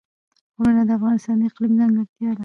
غرونه د افغانستان د اقلیم ځانګړتیا ده.